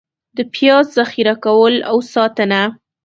د پیاز ذخېره کول او ساتنه: